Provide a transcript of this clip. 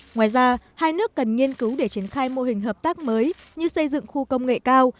ngoài ra hai nước cần nghiên cứu để triển khai mô hình hợp tác mới như xây dựng khu công nghệ cao